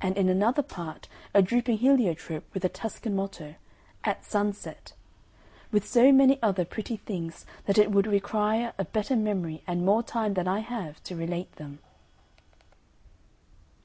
And in another part a drooping heliotrope with a Tuscan motto: AT SUNSET with so many other pretty things that it would require a better memory and more time than I have to relate them.